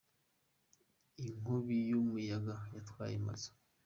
inkubiyu yumuyaga yatwaye amazu